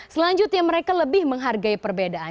selanjutnya mereka lebih menghargai perbedaan